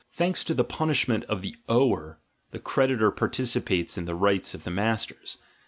Thanks to the punishment of the ''ower," the creditor participates in the rights of the mas ters.